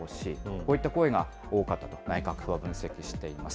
こういった声が多かったと、内閣府は分析しています。